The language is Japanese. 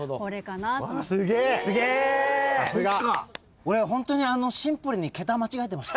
俺ホントにシンプルに桁間違えてました。